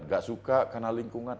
nggak suka karena lingkungan